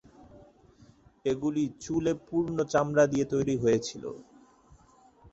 এগুলি চুলে পূর্ণ চামড়া দিয়ে তৈরি হয়েছিল।